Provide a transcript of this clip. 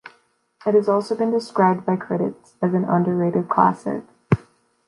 It has also been described by critics as an "underrated classic".